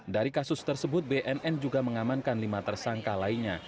dari kasus tersebut bnn juga mengamankan lima tersangka lainnya